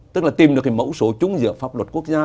tức là tìm được cái mẫu số chung giữa pháp luật quốc gia